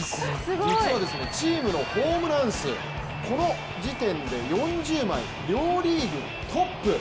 実はチームのホームラン数、この時点で４０枚、両リーグトップ。